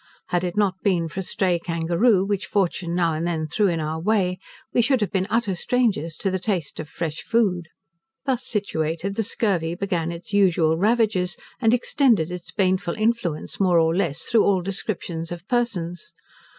Had it not been for a stray kangaroo, which fortune now and then threw in our way, we should have been utter strangers to the taste of fresh food. Thus situated, the scurvy began its usual ravages, and extended its baneful influence, more or less, through all descriptions of persons.